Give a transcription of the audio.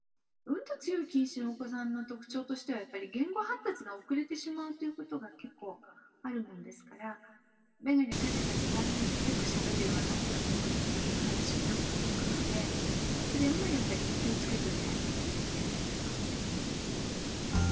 うんと強い近視のお子さんの特徴としてはやっぱり言語発達が遅れてしまうということが結構あるもんですからめがねかけた途端によくしゃべるようになったとかっていう話もよく聞くのでそれもやっぱり気をつけといてあげないといけないところになります。